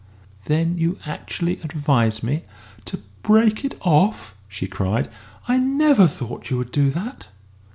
"Then you actually advise me to to break it off?" she cried; "I never thought you would do that!"